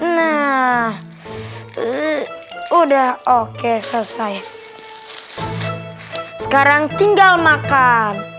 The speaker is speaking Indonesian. nah udah oke selesai sekarang tinggal makan